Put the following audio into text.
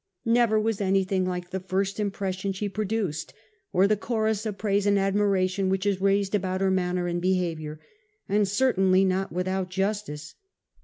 Never was anything like the first impression she produced, or the chorus of praise and admiration which is raised about her manner and behaviour, and certainly not without justice.